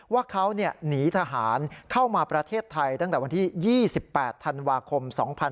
ว่าเขาหนีทหารเข้ามาประเทศไทยตั้งแต่วันที่๒๘ธันวาคม๒๕๖๒